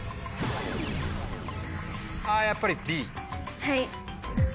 あやっぱりＢ。